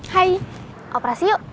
hai operasi yuk